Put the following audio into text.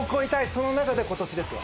その中で今年ですよ。